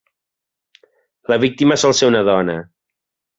La víctima sol ser una dona.